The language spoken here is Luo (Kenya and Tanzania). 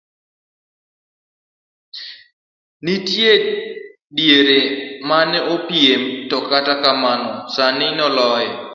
Nitie diere mane opiem to kata kamano sani to noloye.